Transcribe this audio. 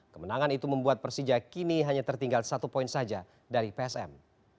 kemenangan itu membuat persija kini hanya tertinggal satu poin saja dari psm